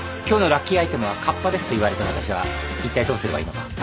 「今日のラッキーアイテムはカッパです」と言われた私はいったいどうすればいいのか。